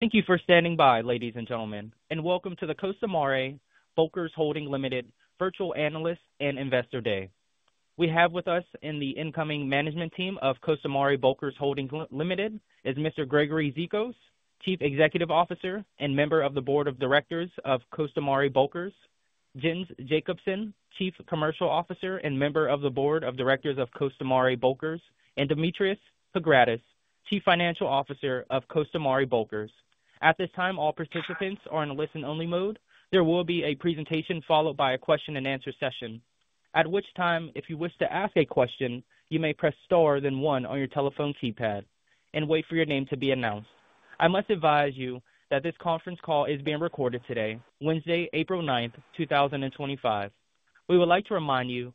Thank you for standing by, ladies and gentlemen, and welcome to the Costamare Bulkers Holdings Limited Virtual Analyst and Investor Day. We have with us in the incoming management team of Costamare Bulkers Holdings Limited is Mr. Gregory Zikos, Chief Executive Officer and member of the Board of Directors of Costamare Bulkers; Jens Jacobsen, Chief Commercial Officer and member of the Board of Directors of Costamare Bulkers; and Demetrios Pagratis, Chief Financial Officer of Costamare Bulkers. At this time, all participants are in a listen-only mode. There will be a presentation followed by a question-and-answer session. At which time, if you wish to ask a question, you may press star then one on your telephone keypad and wait for your name to be announced. I must advise you that this conference call is being recorded today, Wednesday, April 9th, 2025. We would like to remind you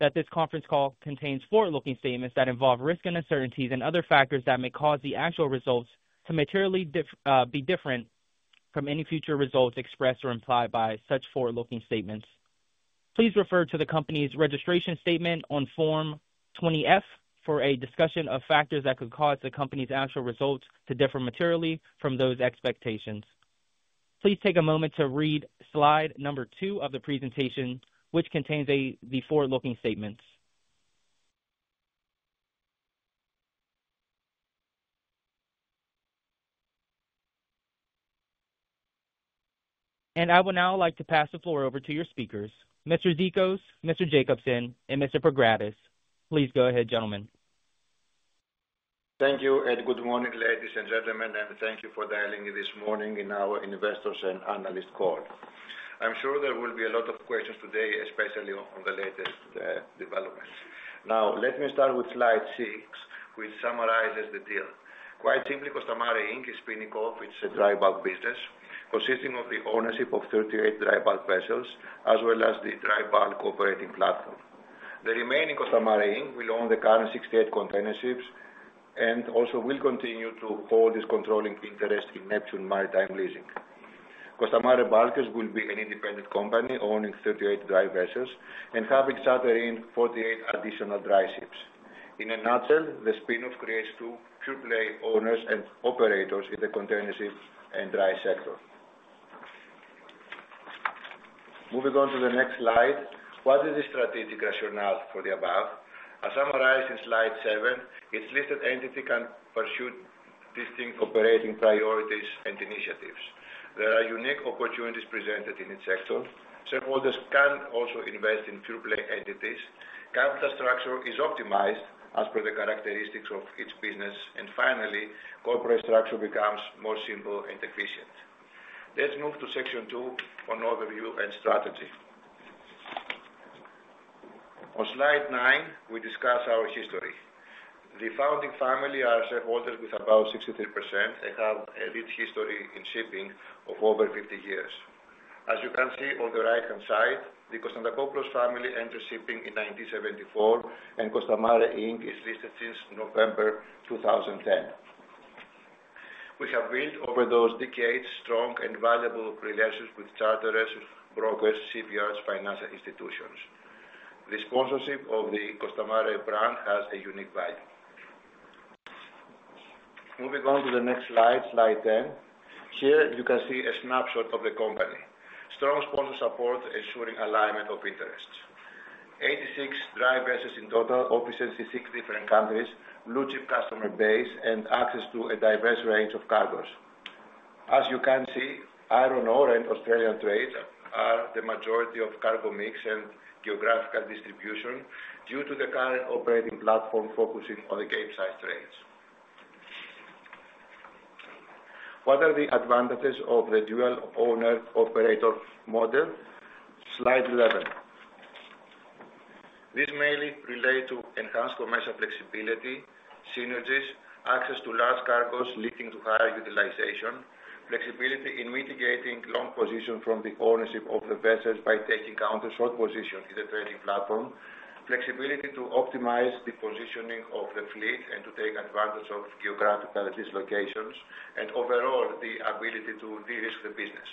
that this conference call contains forward-looking statements that involve risk and uncertainties and other factors that may cause the actual results to materially be different from any future results expressed or implied by such forward-looking statements. Please refer to the company's registration statement on Form 20-F for a discussion of factors that could cause the company's actual results to differ materially from those expectations. Please take a moment to read slide number two of the presentation, which contains the forward-looking statements. I would now like to pass the floor over to your speakers, Mr. Zikos, Mr. Jacobsen, and Mr. Pagratis. Please go ahead, gentlemen. Thank you and good morning, ladies and gentlemen, and thank you for dialing in this morning in our investors' and analyst call. I'm sure there will be a lot of questions today, especially on the latest developments. Now, let me start with slide six, which summarizes the deal. Quite simply, Costamare Inc. is spinning off its dry bulk business, consisting of the ownership of 38 dry bulk vessels as well as the dry bulk operating platform. The remaining Costamare Inc. will own the current 68 container ships and also will continue to hold its controlling interest in Neptune Maritime Leasing. Costamare Bulkers will be an independent company owning 38 dry vessels and having chartered-in 48 additional dry ships. In a nutshell, the spin-off creates two pure-play owners and operators in the container ship and dry sector. Moving on to the next slide, what is the strategic rationale for the above? As summarized in slide seven, its listed entity can pursue distinct operating priorities and initiatives. There are unique opportunities presented in its sector. Shareholders can also invest in pure-play entities. Capital structure is optimized as per the characteristics of its business. Finally, corporate structure becomes more simple and efficient. Let's move to section two on overview and strategy. On slide nine, we discuss our history. The founding family are shareholders with about 63%. They have a rich history in shipping of over 50 years. As you can see on the right-hand side, the Constantakopoulos family entered shipping in 1974, and Costamare Inc. is listed since November 2010. We have built over those decades strong and valuable relations with charterers, brokers, shipyards, financial institutions. The sponsorship of the Costamare brand has a unique value. Moving on to the next slide, slide 10. Here, you can see a snapshot of the company. Strong sponsor support ensuring alignment of interests. Eighty-six dry vessels in total representing six different countries, blue-chip customer base, and access to a diverse range of cargoes. As you can see, iron ore and Australian trade are the majority of cargo mix and geographical distribution due to the current operating platform focusing on the Capesize trades. What are the advantages of the dual owner-operator model? Slide 11. This mainly relates to enhanced commercial flexibility, synergies, access to large cargoes leading to higher utilization, flexibility in mitigating long positions from the ownership of the vessels by taking counter-short positions in the trading platform, flexibility to optimize the positioning of the fleet and to take advantage of geographical dislocations, and overall, the ability to de-risk the business.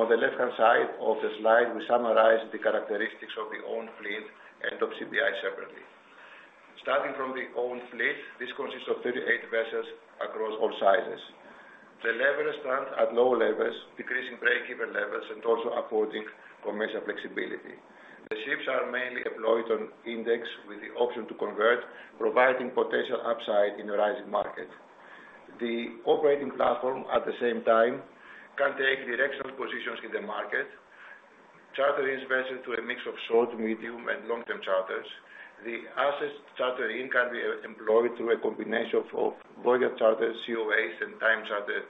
On the left-hand side of the slide, we summarize the characteristics of the owned fleet and of CBI separately. Starting from the owned fleet, this consists of 38 vessels across all sizes. The levels stand at low levels, decreasing break-even levels and also affording commercial flexibility. The ships are mainly deployed on index with the option to convert, providing potential upside in a rising market. The operating platform, at the same time, can take directional positions in the market, chartering vessels to a mix of short, medium, and long-term charters. The assets chartering can be employed through a combination of voyage charters, COAs, and time charter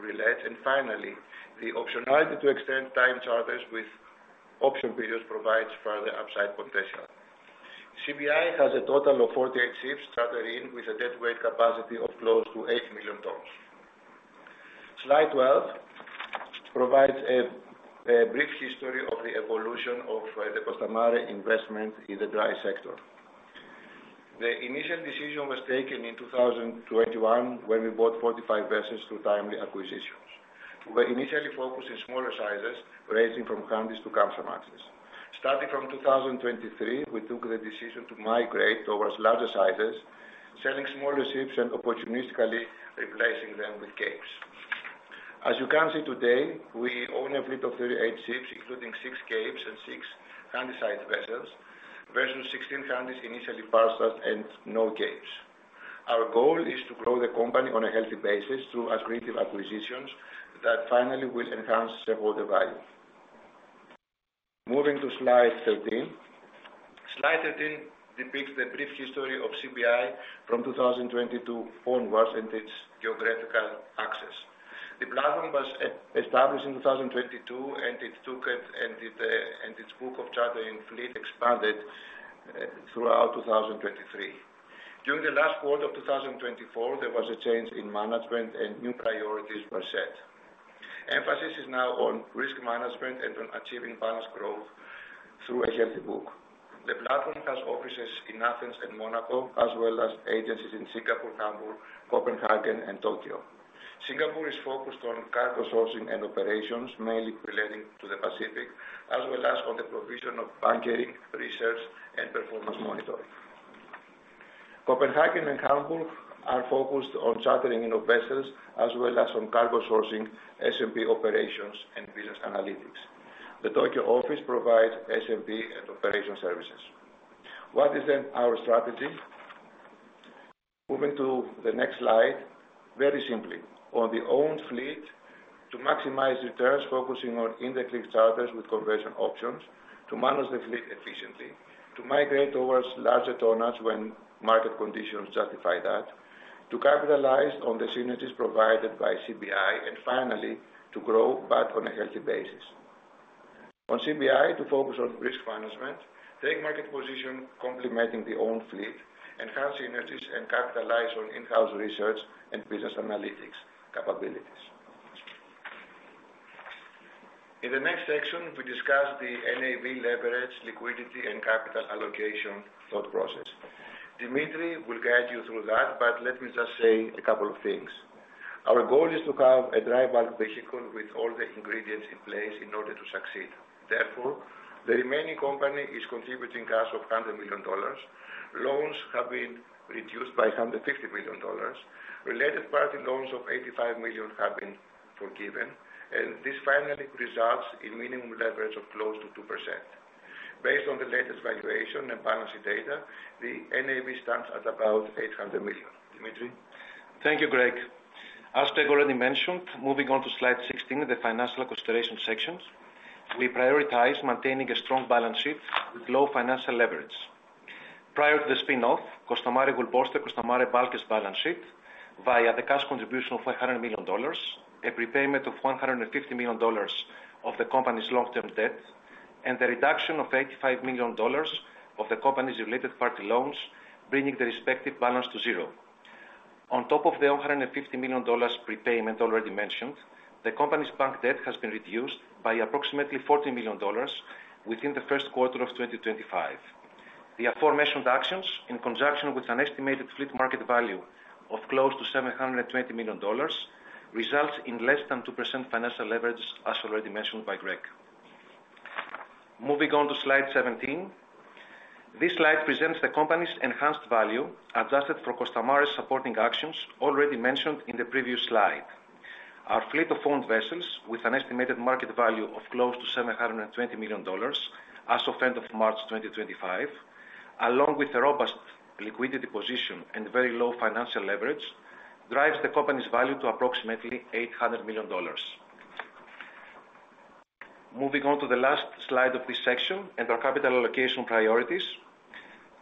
relays. Finally, the optionality to extend time charters with option periods provides further upside potential. CBI has a total of 48 ships chartering with a deadweight capacity of close to 8 million tons. Slide 12 provides a brief history of the evolution of the Costamare investment in the dry sector. The initial decision was taken in 2021 when we bought 45 vessels through timely acquisitions. We were initially focused on smaller sizes, ranging from Handys to Supramaxes. Starting from 2023, we took the decision to migrate towards larger sizes, selling smaller ships and opportunistically replacing them with Capes. As you can see today, we own a fleet of 38 ships, including six Capes and six Handysize vessels, versus 16 Handys initially parceled and no Capes. Our goal is to grow the company on a healthy basis through aggressive acquisitions that finally will enhance shareholder value. Moving to slide 13. Slide 13 depicts the brief history of CBI from 2022 onwards and its geographical access. The platform was established in 2022, and its book of chartering fleet expanded throughout 2023. During the last quarter of 2024, there was a change in management, and new priorities were set. Emphasis is now on risk management and on achieving balanced growth through a healthy book. The platform has offices in Athens and Monaco, as well as agencies in Singapore, Hamburg, Copenhagen, and Tokyo. Singapore is focused on cargo sourcing and operations, mainly relating to the Pacific, as well as on the provision of banking, research, and performance monitoring. Copenhagen and Hamburg are focused on chartering of vessels, as well as on cargo sourcing, S&P operations, and business analytics. The Tokyo office provides S&P and operation services. What is then our strategy? Moving to the next slide, very simply, on the owned fleet to maximize returns, focusing on indexing charters with conversion options, to manage the fleet efficiently, to migrate towards larger tonnage when market conditions justify that, to capitalize on the synergies provided by CBI, and finally, to grow but on a healthy basis. On CBI, to focus on risk management, take market position complementing the owned fleet, enhance synergies, and capitalize on in-house research and business analytics capabilities. In the next section, we discuss the NAV leverage, liquidity, and capital allocation thought process. Demetrios will guide you through that, but let me just say a couple of things. Our goal is to have a dry bulk vehicle with all the ingredients in place in order to succeed. Therefore, the remaining company is contributing cash of $100 million. Loans have been reduced by $150 million. Related party loans of $85 million have been forgiven, and this finally results in minimum leverage of close to 2%. Based on the latest valuation and balance sheet data, the NAV stands at about $800 million. Demetrios? Thank you, Greg. As Greg already mentioned, moving on to slide 16, the financial consideration sections, we prioritize maintaining a strong balance sheet with low financial leverage. Prior to the spin-off, Costamare will bolster Costamare Bulkers' balance sheet via the cash contribution of $100 million, a prepayment of $150 million of the company's long-term debt, and the reduction of $85 million of the company's related party loans, bringing the respective balance to zero. On top of the $150 million prepayment already mentioned, the company's bank debt has been reduced by approximately $14 million within the first quarter of 2025. The aforementioned actions, in conjunction with an estimated fleet market value of close to $720 million, result in less than 2% financial leverage, as already mentioned by Greg. Moving on to slide 17. This slide presents the company's enhanced value adjusted for Costamare's supporting actions already mentioned in the previous slide. Our fleet of owned vessels, with an estimated market value of close to $720 million as of end of March 2025, along with a robust liquidity position and very low financial leverage, drives the company's value to approximately $800 million. Moving on to the last slide of this section, and our capital allocation priorities,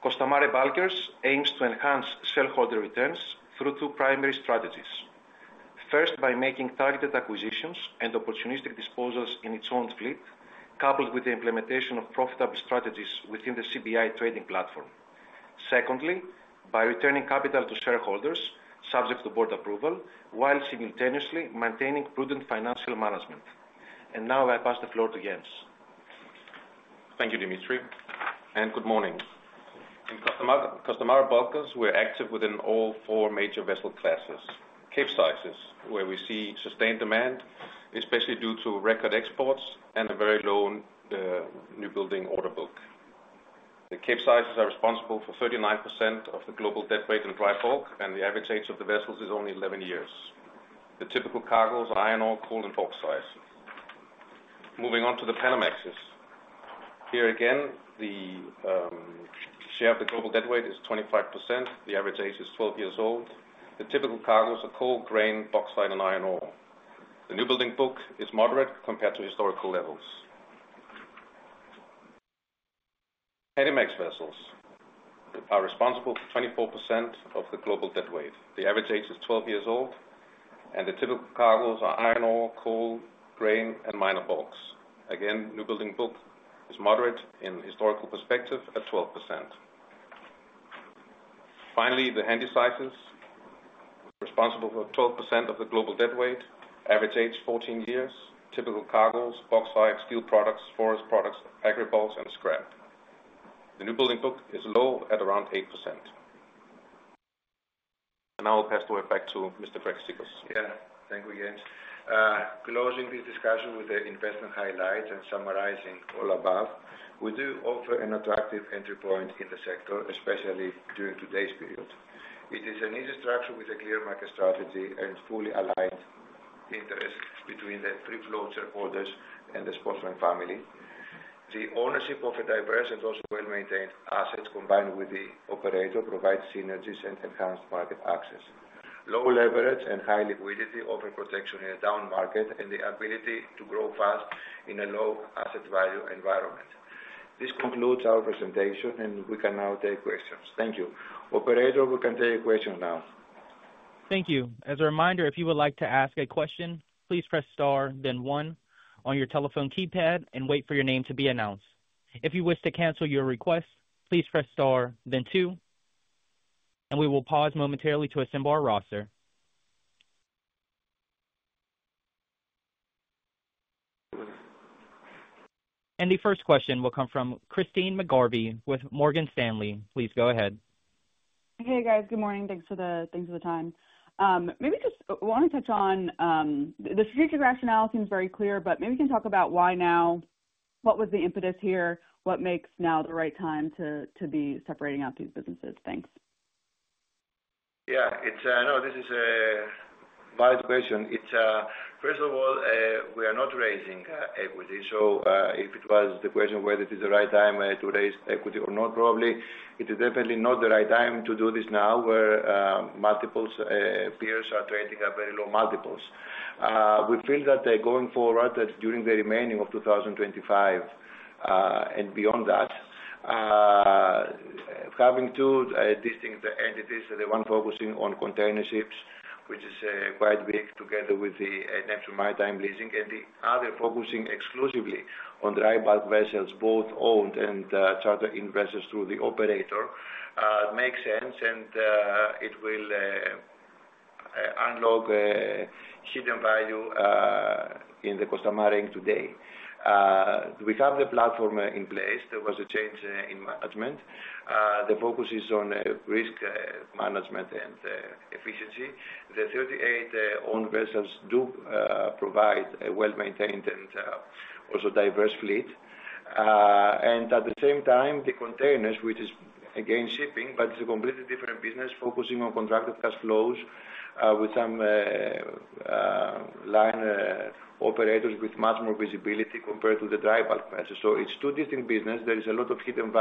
Costamare Bulkers aims to enhance shareholder returns through two primary strategies. First, by making targeted acquisitions and opportunistic disposals in its owned fleet, coupled with the implementation of profitable strategies within the CBI trading platform. Second, by returning capital to shareholders subject to board approval while simultaneously maintaining prudent financial management. Now I pass the floor to Jens. Thank you, Demetrios. Good morning. In Costamare Bulkers, we're active within all four major vessel classes. Capesize, where we see sustained demand, especially due to record exports and a very low newbuilding order book. The Capesize are responsible for 39% of the global deadweight in dry bulk, and the average age of the vessels is only 11 years. The typical cargoes are iron ore, coal, and bauxite. Moving on to the Panamax. Here again, the share of the global deadweight is 25%. The average age is 12 years old. The typical cargoes are coal, grain, bauxite, and iron ore. The newbuilding book is moderate compared to historical levels. Panamax vessels are responsible for 24% of the global deadweight. The average age is 12 years old, and the typical cargoes are iron ore, coal, grain, and minor bulks. Again, newbuilding book is moderate in historical perspective at 12%. Finally, the Handysizes are responsible for 12% of the global deadweight. Average age is 14 years. Typical cargoes: bauxite, steel products, forest products, agribulks, and scrap. The newbuilding book is low at around 8%. Now I'll pass the word back to Mr. Gregory Zikos. Yeah, thank you, Jens. Closing this discussion with the investment highlights and summarizing all above, we do offer an attractive entry point in the sector, especially during today's period. It is an easy structure with a clear market strategy and fully aligned interests between the free float shareholders and the sponsoring family. The ownership of a diverse and also well-maintained asset, combined with the operator, provides synergies and enhanced market access. Low leverage and high liquidity offer protection in a down market and the ability to grow fast in a low asset value environment. This concludes our presentation, and we can now take questions. Thank you. Operator, we can take a question now. Thank you. As a reminder, if you would like to ask a question, please press star, then one on your telephone keypad, and wait for your name to be announced. If you wish to cancel your request, please press star, then two, and we will pause momentarily to assemble our roster. The first question will come from Christine McGarvey with Morgan Stanley. Please go ahead. Hey, guys. Good morning. Thanks for the time. Maybe just want to touch on the strategic rationale, seems very clear, but maybe we can talk about why now, what was the impetus here, what makes now the right time to be separating out these businesses. Thanks. Yeah, I know this is a valid question. First of all, we are not raising equity. So if it was the question whether it is the right time to raise equity or not, probably it is definitely not the right time to do this now, where multiple peers are trading at very low multiples. We feel that going forward, during the remaining of 2025 and beyond that, having two distinct entities, the one focusing on container ships, which is quite big, together with the Neptune Maritime Leasing, and the other focusing exclusively on dry bulk vessels, both owned and chartering vessels through the operator, makes sense, and it will unlock hidden value in the Costamare today. We have the platform in place. There was a change in management. The focus is on risk management and efficiency. The 38 owned vessels do provide a well-maintained and also diverse fleet. At the same time, the containers, which is, again, shipping,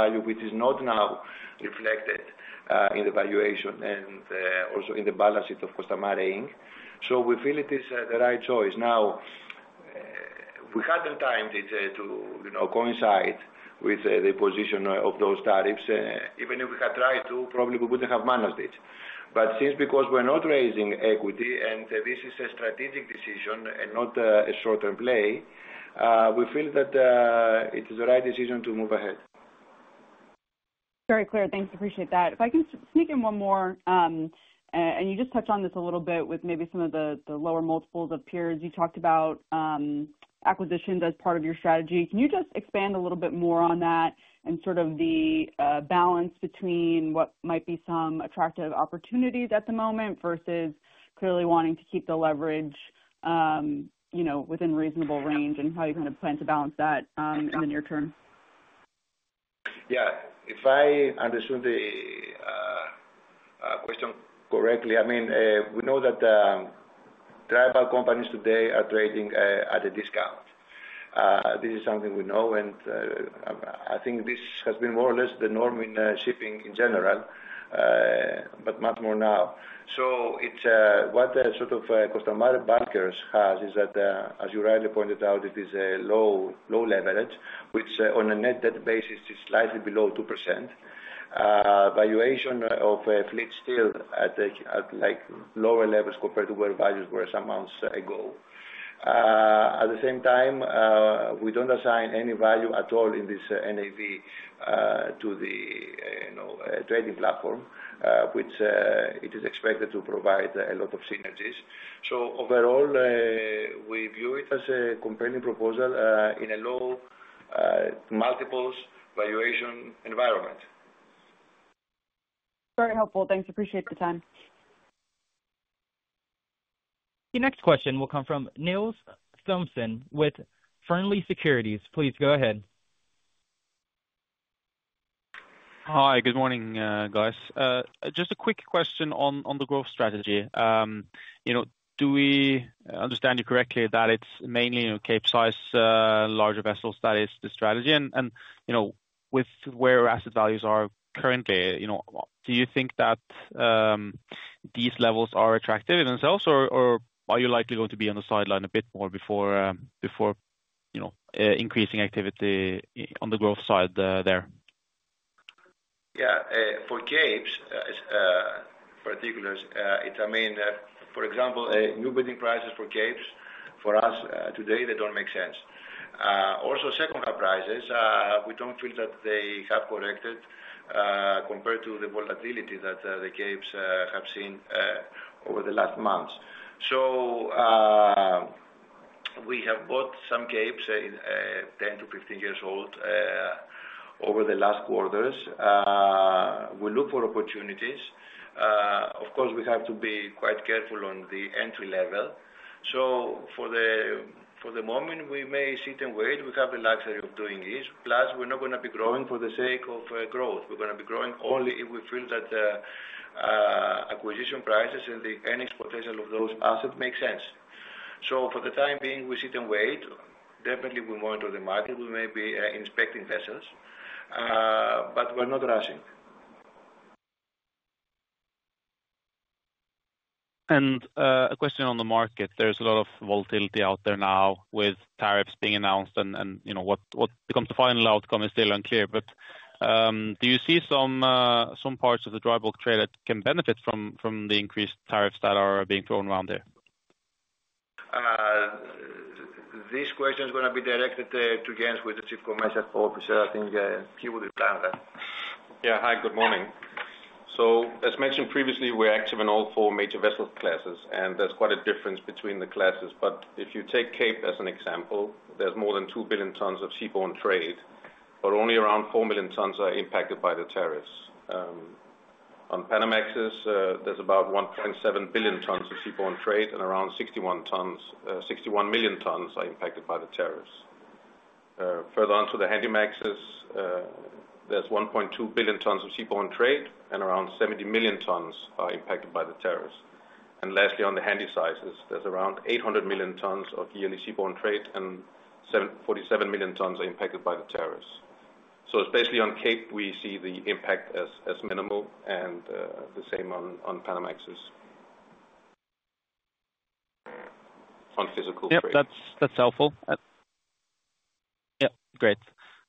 acquisitions as part of your strategy. Can you just expand a little bit more on that and sort of the balance between what might be some attractive opportunities at the moment versus clearly wanting to keep the leverage within reasonable range and how you're going to plan to balance that in the near term? Yeah. If I understood the question correctly, I mean, we know that dry bulk companies today are trading at a discount. This is something we know, and I think this has been more or less the norm in shipping in general, but much more now. What sort of Costamare Bulkers has is that, as you rightly pointed out, it is a low leverage, which on a net debt basis is slightly below 2%. Valuation of fleet still at lower levels compared to where values were some months ago. At the same time, we do not assign any value at all in this NAV to the trading platform, which it is expected to provide a lot of synergies. Overall, we view it as a compelling proposal in a low multiples valuation environment. Very helpful. Thanks. Appreciate the time. The next question will come from Nils Thommesen with Fearnley Securities. Please go ahead. Hi. Good morning, guys. Just a quick question on the growth strategy. Do we understand you correctly that it's mainly Capesize larger vessels that is the strategy? With where asset values are currently, do you think that these levels are attractive in themselves, or are you likely going to be on the sideline a bit more before increasing activity on the growth side there? Yeah. For Capes, particularly, I mean, for example, newbuilding prices for Capes for us today, they do not make sense. Also, second-hand prices, we do not feel that they have corrected compared to the volatility that the Capes have seen over the last months. We have bought some Capes 10 to 15 years old over the last quarters. We look for opportunities. Of course, we have to be quite careful on the entry level. For the moment, we may sit and wait. We have the luxury of doing this. Plus, we are not going to be growing for the sake of growth. We are going to be growing only if we feel that acquisition prices and the earnings potential of those assets make sense. For the time being, we sit and wait. Definitely, we monitor the market. We may be inspecting vessels, but we are not rushing. A question on the market. There's a lot of volatility out there now with tariffs being announced, and what becomes the final outcome is still unclear. Do you see some parts of the dry bulk trade that can benefit from the increased tariffs that are being thrown around there? This question is going to be directed to Jens, the Chief Commercial Officer. I think he would respond. Yeah. Hi, good morning. As mentioned previously, we're active in all four major vessel classes, and there's quite a difference between the classes. If you take Cape as an example, there's more than 2 billion tons of seaborne trade, but only around 4 million tons are impacted by the tariffs. On Panamaxes, there's about 1.7 billion tons of seaborne trade, and around 61 million tons are impacted by the tariffs. Further on to the Handymaxes, there's 1.2 billion tons of seaborne trade, and around 70 million tons are impacted by the tariffs. Lastly, on the Handysizes, there's around 800 million tons of yearly seaborne trade, and 47 million tons are impacted by the tariffs. Especially on Cape, we see the impact as minimal and the same on Panamaxes on physical trade. Yeah, that's helpful. Yeah, great.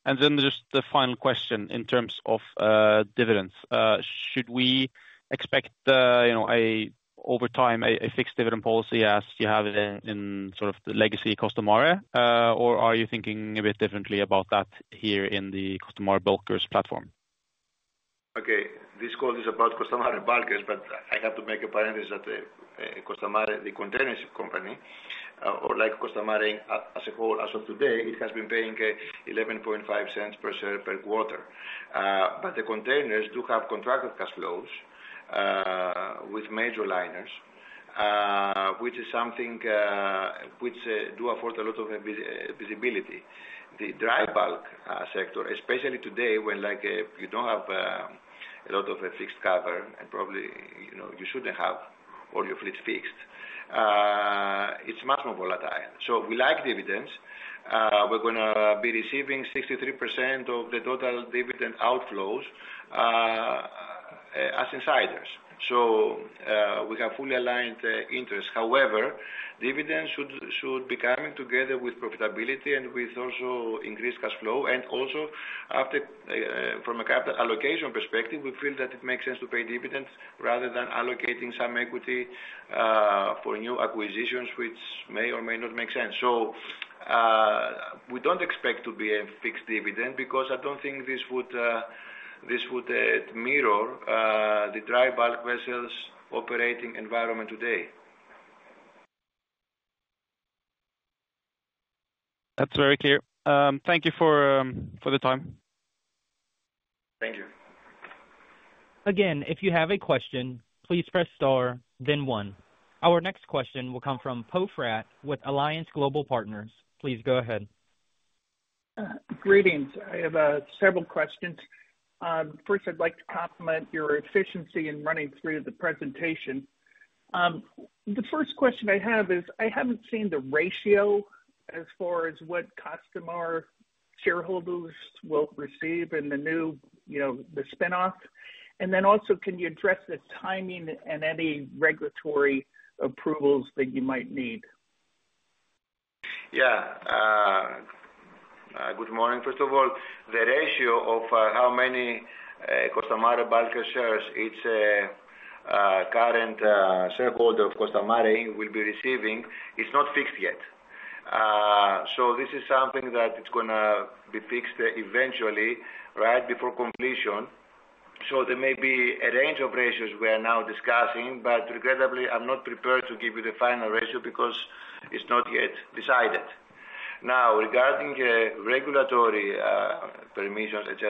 And then just the final question in terms of dividends. Should we expect over time a fixed dividend policy as you have in sort of the legacy Costamare, or are you thinking a bit differently about that here in the Costamare Bulkers platform? Okay. This call is about Costamare Bulkers, but I have to make a parenthesis that Costamare, the container ship company, or like Costamare as a whole, as of today, it has been paying $0.115 per share per quarter. The containers do have contracted cash flows with major liners, which is something which do afford a lot of visibility. The dry bulk sector, especially today when you do not have a lot of fixed cover and probably you should not have all your fleet fixed, is much more volatile. We like dividends. We are going to be receiving 63% of the total dividend outflows as insiders. We have fully aligned interests. However, dividends should be coming together with profitability and with also increased cash flow. Also, from a capital allocation perspective, we feel that it makes sense to pay dividends rather than allocating some equity for new acquisitions, which may or may not make sense. We do not expect it to be a fixed dividend because I do not think this would mirror the dry bulk vessels' operating environment today. That's very clear. Thank you for the time. Thank you. Again, if you have a question, please press star, then one. Our next question will come from Poe Fratt with Alliance Global Partners. Please go ahead. Greetings. I have several questions. First, I'd like to compliment your efficiency in running through the presentation. The first question I have is, I haven't seen the ratio as far as what Costamare shareholders will receive in the spin-off. Also, can you address the timing and any regulatory approvals that you might need? Yeah. Good morning. First of all, the ratio of how many Costamare Bulkers shares each current shareholder of Costamare will be receiving is not fixed yet. This is something that is going to be fixed eventually right before completion. There may be a range of ratios we are now discussing, but regrettably, I'm not prepared to give you the final ratio because it's not yet decided. Now, regarding regulatory permissions, I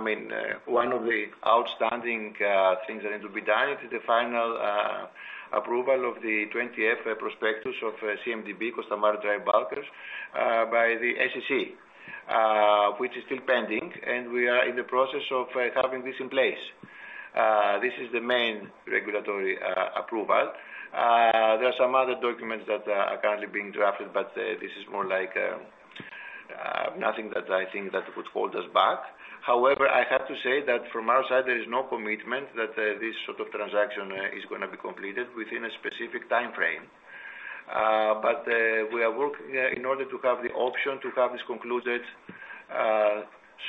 mean, one of the outstanding things that need to be done is the final approval of the 20-F prospectus of CMDB, Costamare Dry Bulkers, by the SEC, which is still pending, and we are in the process of having this in place. This is the main regulatory approval. There are some other documents that are currently being drafted, but this is more like nothing that I think that would hold us back. However, I have to say that from our side, there is no commitment that this sort of transaction is going to be completed within a specific time frame. We are working in order to have the option to have this concluded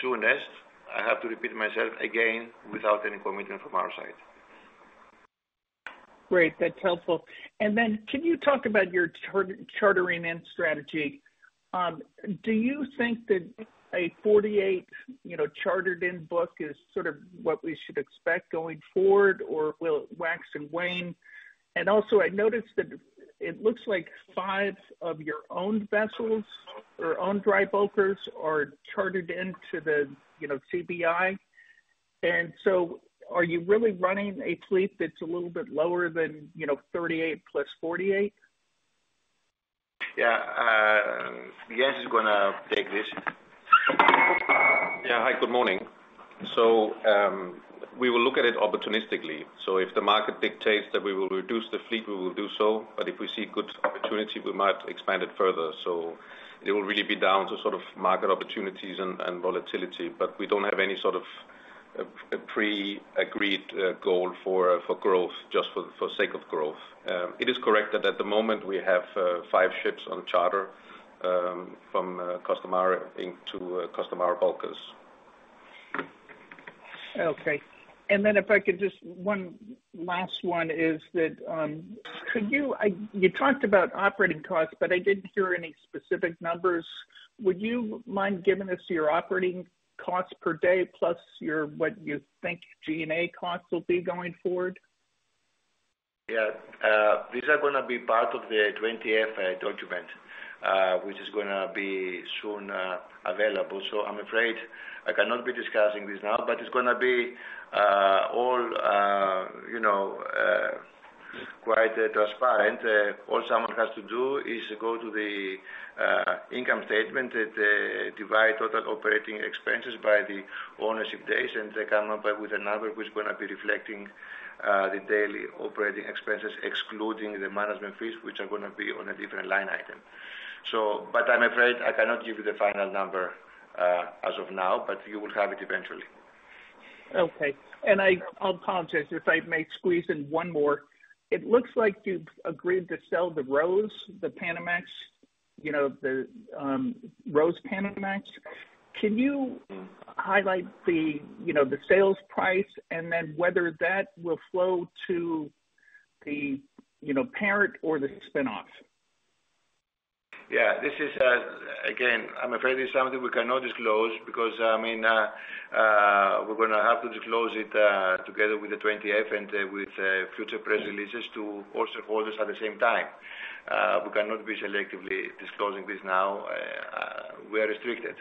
soonest. I have to repeat myself again without any commitment from our side. Great. That's helpful. Can you talk about your chartering and strategy? Do you think that a 48 chartered-in book is sort of what we should expect going forward, or will it wax and wane? I noticed that it looks like five of your own vessels or own dry bulkers are chartered into the CBI. Are you really running a fleet that's a little bit lower than 38 plus 48? Yeah. Jens, it's going to take this. Yeah. Hi, good morning. We will look at it opportunistically. If the market dictates that we will reduce the fleet, we will do so. If we see good opportunity, we might expand it further. It will really be down to sort of market opportunities and volatility. We do not have any sort of pre-agreed goal for growth just for the sake of growth. It is correct that at the moment, we have five ships on charter from Costamare Inc. to Costamare Bulkers. Okay. If I could just one last one, you talked about operating costs, but I didn't hear any specific numbers. Would you mind giving us your operating costs per day plus what you think G&A costs will be going forward? Yeah. These are going to be part of the 20-F document, which is going to be soon available. I'm afraid I cannot be discussing this now, but it's going to be all quite transparent. All someone has to do is go to the income statement and divide total operating expenses by the ownership days, and they come up with a number which is going to be reflecting the daily operating expenses, excluding the management fees, which are going to be on a different line item. I'm afraid I cannot give you the final number as of now, but you will have it eventually. Okay. I apologize if I may squeeze in one more. It looks like you've agreed to sell the ROSE, the Panamax, the ROSE Panamax. Can you highlight the sales price and then whether that will flow to the parent or the spinoff? Yeah. This is, again, I'm afraid this is something we cannot disclose because, I mean, we're going to have to disclose it together with the 20-F and with future press releases to all shareholders at the same time. We cannot be selectively disclosing this now. We are restricted.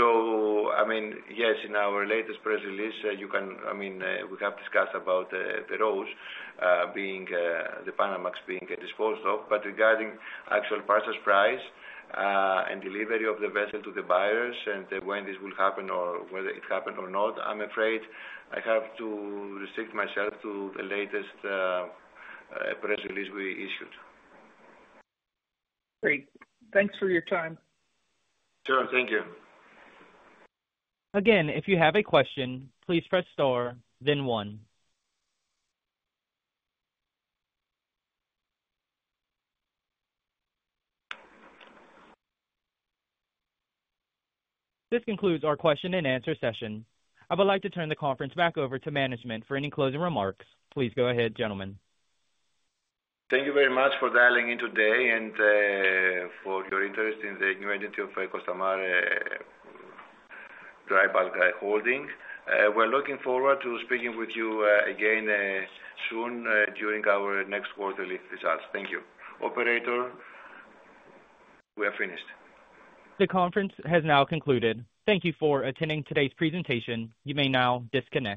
I mean, yes, in our latest press release, you can, I mean, we have discussed about the ROSE being the Panamax being disposed of. Regarding actual purchase price and delivery of the vessel to the buyers and when this will happen or whether it happened or not, I'm afraid I have to restrict myself to the latest press release we issued. Great. Thanks for your time. Sure. Thank you. Again, if you have a question, please press star, then one. This concludes our question and answer session. I would like to turn the conference back over to management for any closing remarks. Please go ahead, gentlemen. Thank you very much for dialing in today and for your interest in the new entity of Costamare Bulkers Holdings Limited. We're looking forward to speaking with you again soon during our next quarterly results. Thank you. Operator, we are finished. The conference has now concluded. Thank you for attending today's presentation. You may now disconnect.